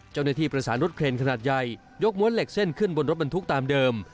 เจ้าหน้าที่ประสานรถเครนขนาดใหญ่ยกม้วนเหล็กเส้นขึ้นบนรถบรรทุกตามเดิม